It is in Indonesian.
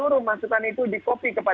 dan seluruh masukan itu akan ditindaklanjuti